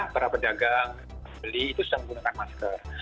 para pedagang beli itu sudah menggunakan masker